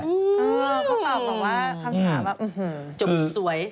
เขาตอบบอกว่าคำถามจบสวย